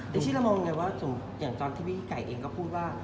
ในชีวิตเรามองอย่างนี้ว่าตอนที่พี่ไก่เองก็พูดว่า